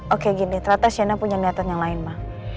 oke gini ternyata sienna punya kenyataan yang lain ma